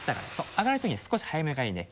上がるときに少し早めがいいね。